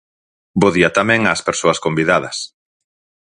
Bo día tamén ás persoas convidadas.